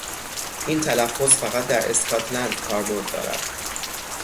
این تلفظ فقط در اسکاتلند کاربرد دارد.